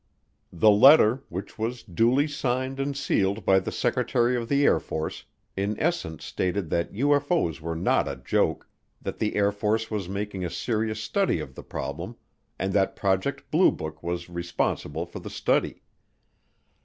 The letter, which was duly signed and sealed by the Secretary of the Air Force, in essence stated that UFO's were not a joke, that the Air Force was making a serious study of the problem, and that Project Blue Book was responsible for the study.